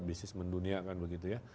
bisnis mendunia kan begitu ya